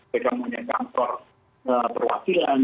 mereka punya kantor perwakilan